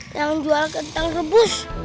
jangan jual kentang rebus